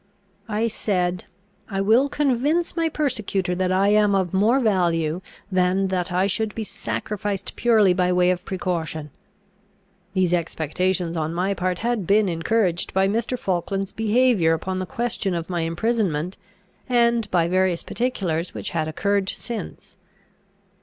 I said, "I will convince my persecutor that I am of more value than that I should be sacrificed purely by way of precaution." These expectations on my part had been encouraged by Mr. Falkland's behaviour upon the question of my imprisonment, and by various particulars which had occurred since.